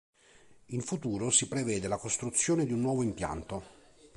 In futuro si prevede la costruzione di un nuovo impianto.